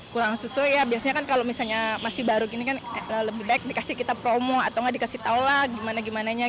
kurang susu ya biasanya kan kalau misalnya masih baru gini kan lebih baik dikasih kita promo atau nggak dikasih tahu lah gimana gimananya